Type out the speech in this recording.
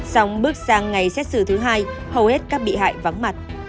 xong bước sang ngày xét xử thứ hai hầu hết các bị hại vắng mặt